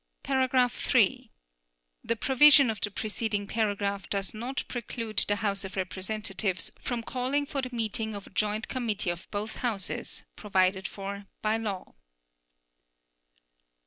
(3) The provision of the preceding paragraph does not preclude the House of Representatives from calling for the meeting of a joint committee of both Houses, provided for by law.